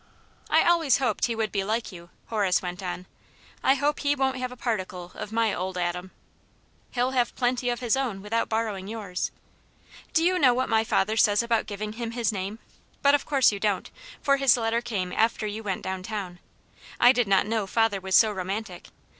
" I always hoped he would be like you," Horace went on. •* I hope he won't have a particle of my old Adam/' ^* He'll have plenty of his own without borrowing yours. Do you know what my father says about giving him his name 7 But of course you don't, for his letter came after you went down town. I did not know father was so romantic.